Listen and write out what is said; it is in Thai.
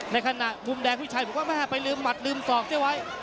ในขณะมุมแดงฝืดชัยมิดมาหน่าไปลืมหมัดลืมสอบเสียไว้